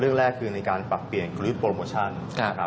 เรื่องแรกคือในการปรับเปลี่ยนคุณลิฟต์โปรโมชั่น